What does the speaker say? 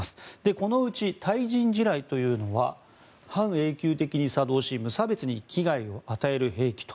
このうち対人地雷というのは半永久的に作動し無差別に危害を与える兵器と。